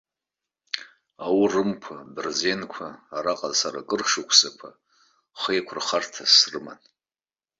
Аурымқәа, абырзенқәа араҟа сара акыр шәышықәсақәа хеиқәырхарҭас срыман.